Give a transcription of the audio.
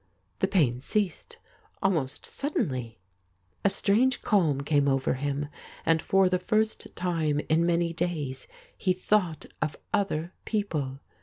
The pain ceased, almost suddenly. A strange calm came over him, and for the first time in manj' days he thought of other people.